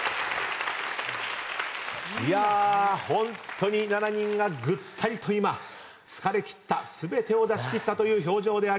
いやホントに７人がぐったりと今疲れきった全てを出しきったという表情であります。